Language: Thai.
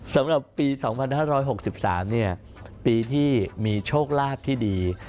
สำหรับปี๒๕๖๓ปีที่มีโชคลาภที่ดี